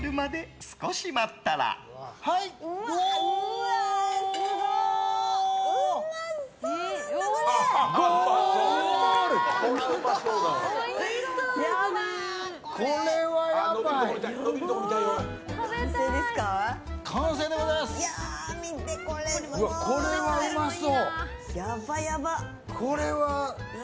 これはうまそう！